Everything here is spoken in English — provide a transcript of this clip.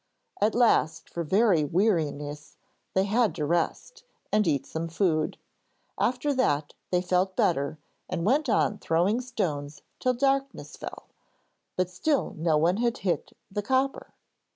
At last for very weariness they had to rest, and eat some food. After that they felt better and went on throwing stones till darkness fell, but still no one had hit the copper.